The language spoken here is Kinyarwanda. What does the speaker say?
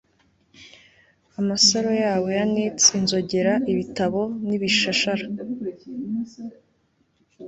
Amasaro yabo ya nits inzogera ibitabo nibishashara